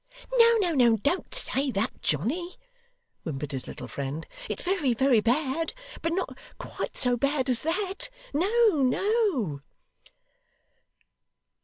'No, no, no, don't say that, Johnny,' whimpered his little friend. 'It's very, very bad, but not quite so bad as that. No, no!